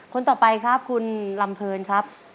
คนต่อไปครับคุณลำเพลินครับ